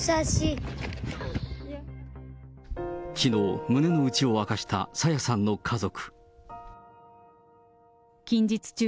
きのう、胸の内を明かした朝芽さんの家族。